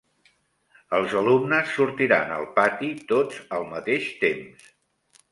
Els alumnes sortiran al patí tots al mateix temps.